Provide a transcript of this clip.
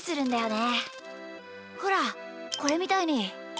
ほらこれみたいに。